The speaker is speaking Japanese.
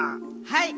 はい！